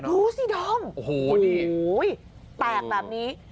ดูสิด้องโอ้โฮแปลกแบบนี้